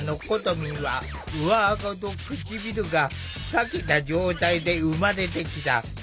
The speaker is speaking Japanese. みんは上あごと唇がさけた状態で生まれてきた。